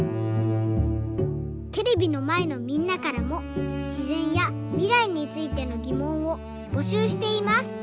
テレビのまえのみんなからもしぜんやみらいについてのぎもんをぼしゅうしています。